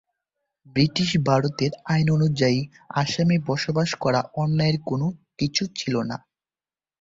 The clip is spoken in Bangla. ব্রিটিশ-ভারতের আইন অনুযায়ী আসামে বসবাস করা অন্যায়ের কোন কিছু ছিলো না।